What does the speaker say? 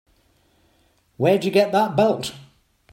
Where'd you get that belt?